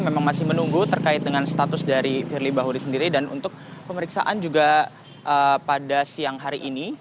memang masih menunggu terkait dengan status dari firly bahuri sendiri dan untuk pemeriksaan juga pada siang hari ini